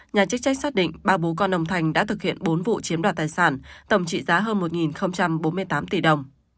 nhà chức trách xác định ba bố con ông thành đã thực hiện bốn vụ chiếm đoạt tài sản tổng trị giá hơn một bốn mươi tám tỷ đồng